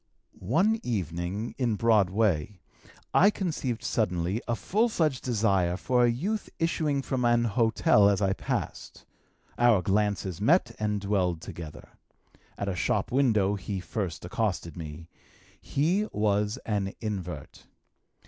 One evening, in Broadway, I conceived suddenly a full fledged desire for a youth issuing from an hotel as I passed. Our glances met and dwelled together. At a shop window he first accosted me. He was an invert.